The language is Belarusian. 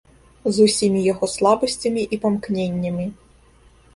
З усімі яго слабасцямі і памкненнямі.